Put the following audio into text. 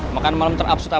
makan malam ter absurd apa